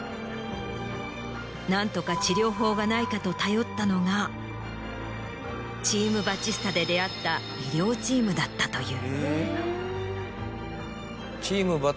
何とか治療法がないかと頼ったのが『チーム・バチスタ』で出会った医療チームだったという。